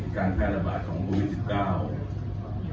การแพร่ระบาดของประวัติศาสตร์๑๙